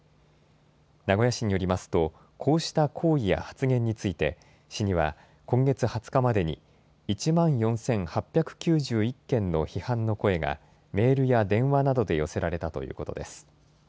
名古屋市によりますと、こうした行為や発言について、市には今月２０日までに、１万４８９１件の批判の声が、メールや電話などで寄せられたということです。